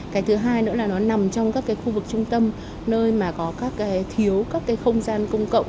cái thứ hai nữa là nó nằm trong các cái khu vực trung tâm nơi mà có các thiếu các cái không gian công cộng